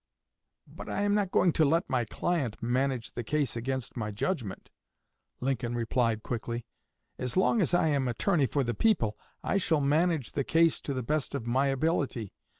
"But I am not going to let my client manage the case against my judgment," Lincoln replied quickly. "As long as I am attorney for the people I shall manage the case to the best of my ability.